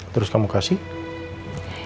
terus kamu kasih